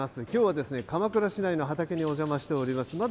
きょうは鎌倉市内の畑にお邪魔しております。